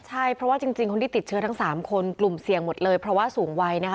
ใช่เพราะว่าจริงคนที่ติดเชื้อทั้ง๓คนกลุ่มเสี่ยงหมดเลยเพราะว่าสูงวัยนะคะ